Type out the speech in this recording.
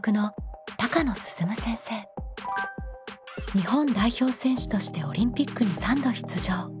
日本代表選手としてオリンピックに３度出場。